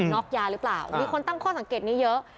น็อกยาหรือเปล่ามีคนตั้งข้อสังเกตนี้เยอะ